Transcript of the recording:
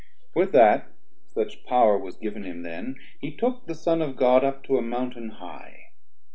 250 With that (such power was giv'n him then) he took The Son of God up to a Mountain high.